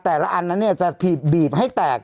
แต่ละอันนั้นเนี่ยจะผีบบีบให้แตก